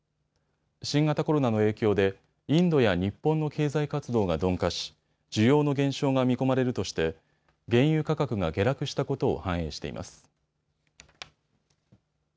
新型コロナの影響でインドや日本の経済活動が鈍化し需要の減少が見込まれるとして原油価格が下落したことを反映しています。